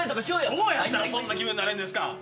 どうやったらそんな気分になれるんですか？